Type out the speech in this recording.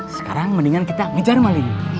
sekarang mendingan kita ngejar maling